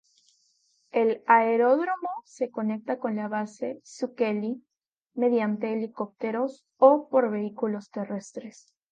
El aeródromo se conecta con la base Zucchelli mediante helicópteros o por vehículos terrestres.